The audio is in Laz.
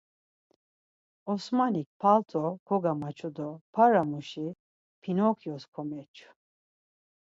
Osmanik palto kogamaçu do paramuşi Pinokyos komeçu.